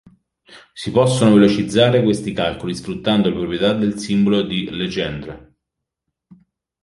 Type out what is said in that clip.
Si possono velocizzare questi calcoli sfruttando le proprietà del simbolo di Legendre.